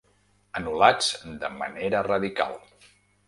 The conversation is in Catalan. Anul·lats de manera radical.